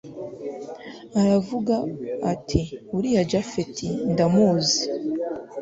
aravuga ati uriya japhet ndamuzi